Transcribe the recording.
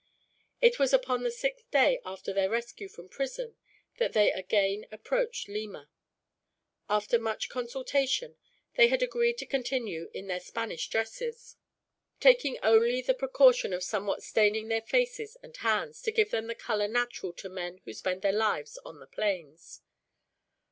It was upon the sixth day after their rescue from prison that they again approached Lima. After much consultation, they had agreed to continue in their Spanish dresses, taking only the precaution of somewhat staining their faces and hands, to give them the color natural to men who spend their lives on the plains.